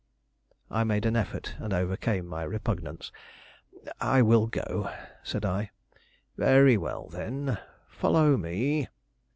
I made an effort and overcame my repugnance. "I will go," said I. "Very well, then, follow me."